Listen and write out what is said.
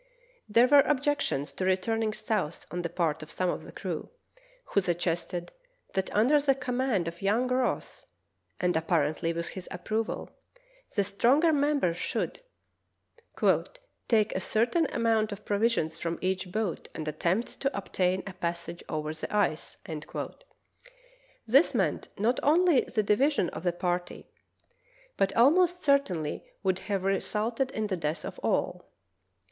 There were objections to returning south on the part of some of the crew, who suggested that under the com mand of young Ross (and apparently with his approval) the stronger members should "take a certain amount of provisions from each boat and attempt to obtain a passage over the ice." This meant not only the divi sion of the party, but almost certainly would have re sulted in the death of all.